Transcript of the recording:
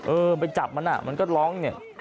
เออไปจับมันอ่ะมันก็ร้องเนี่ย